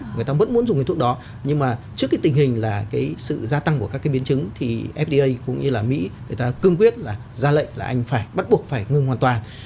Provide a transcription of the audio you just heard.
người ta vẫn muốn dùng cái thuốc đó nhưng mà trước cái tình hình là cái sự gia tăng của các cái biến chứng thì fda cũng như là mỹ người ta cương quyết là ra lệnh là anh phải bắt buộc phải ngưng hoàn toàn